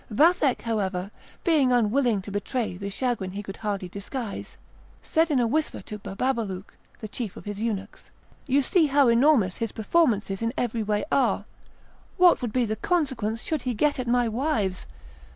Vathek, however, being unwilling to betray the chagrin he could hardly disguise, said in a whisper to Bababalouk, the chief of his eunuchs: "You see how enormous his performances in every way are; what would be the consequence should he get at my wives?